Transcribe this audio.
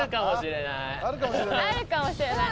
あるかもしれない？